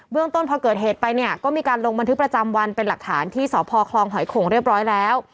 ต้นพอเกิดเหตุไปเนี่ยก็มีการลงบันทึกประจำวันเป็นหลักฐานที่สพคลองหอยโขงเรียบร้อยแล้ว